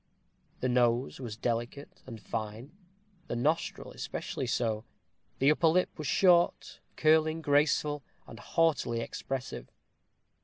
The nose was delicate and fine; the nostril especially so; the upper lip was short, curling, graceful, and haughtily expressive.